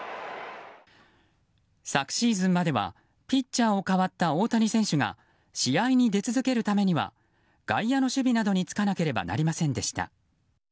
昨シーズンまではピッチャーを代わった大谷選手が試合に出続けるためには外野の守備などにつかなければなりませんでした。